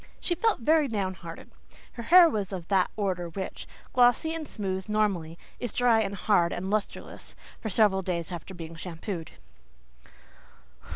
She felt very down hearted; her hair was of that order which, glossy and smooth normally, is dry and harsh and lustreless for several days after being shampooed.